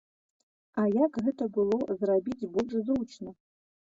А як гэта было зрабіць больш зручна?